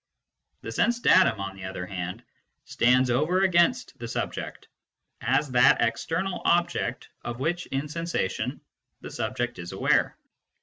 The sense datum, on the other hand, stands over against the subject as that external object of which in sensation the subject is aware.